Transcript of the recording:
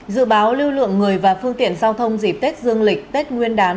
dự báo lưu lượng người và phương tiện giao thông dịp tết dương lịch tết nguyên đán